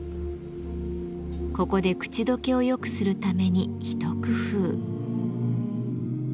ここで口溶けを良くするために一工夫。